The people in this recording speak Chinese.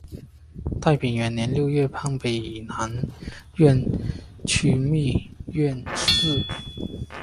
太平元年六月判北南院枢密院事。